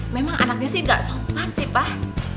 memang anaknya sih gak sopan sih pak